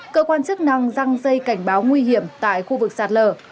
cơ quan chức năng răng dây cảnh báo nguy hiểm tại khu vực sạt lở